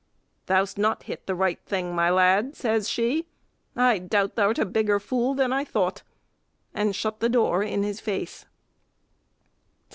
"Thou 'st not hit the right thing, my lad," says she. "I doubt thou 'rt a bigger fool than I thought!" and shut the door in his face.